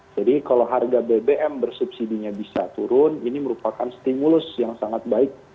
jadi kalau harga bbm bersubsidinya bisa turun ini merupakan stimulus yang sangat baik